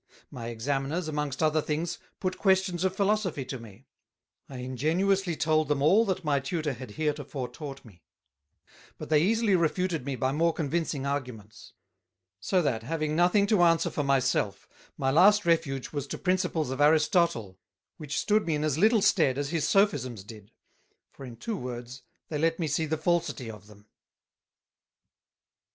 My Examiners, amongst other things, put questions of Philosophy to me; I ingenuously told them all that my Tutor had heretofore taught me, but they easily refuted me by more convincing Arguments: So that having nothing to answer for my self, my last refuge was to Principles of Aristotle, which stood me in as little stead, as his Sophisms did; for in two Words, they let me see the falsity of them.